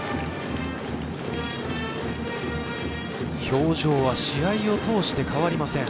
表情は試合を通して変わりません。